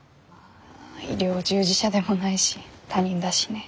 医療従事者でもないし他人だしね。